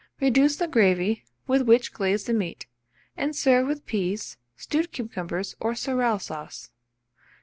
Reduce the gravy, with which glaze the meat, and serve with peas, stewed cucumbers, or sorrel sauce.